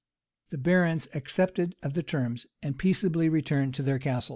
[] The barons accepted of the terms, and peaceably returned to their castles.